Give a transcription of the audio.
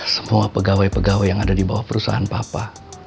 semua pegawai pegawai yang ada di bawah perusahaan papa